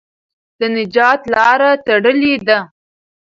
د نجات لاره تړلې ده.